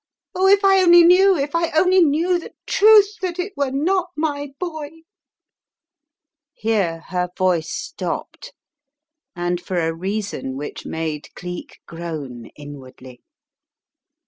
Oh, if I only knew, if I only knew the truth, that it were not my boy !" Here her voice stopped and for a reason which made Cleek groan inwardly.